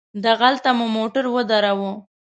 دغلته مو موټر ودراوه.